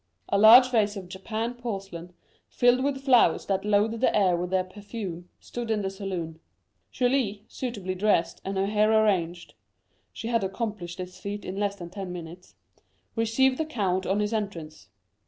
A large vase of Japan porcelain, filled with flowers that loaded the air with their perfume, stood in the salon. Julie, suitably dressed, and her hair arranged (she had accomplished this feat in less than ten minutes), received the count on his entrance.